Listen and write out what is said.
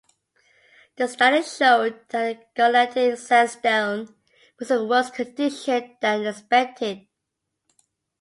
The study showed that the Gotlandic sandstone was in worse condition than expected.